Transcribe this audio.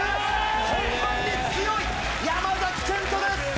本番に強い山賢人です！